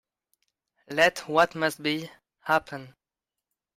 Let what must be, happen.